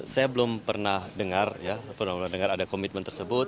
saya belum pernah dengar ya pernah dengar ada komitmen tersebut